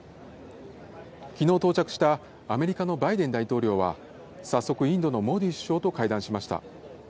きのう到着したアメリカのバイデン大統領は早速インドのモディ首相と会談しました。